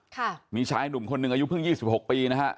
ค่ะมีชายหนุ่มคนหนึ่งอายุเพิ่งยี่สิบหกปีนะฮะ